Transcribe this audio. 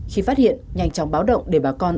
khi phát hiện nhanh chóng báo động để bà con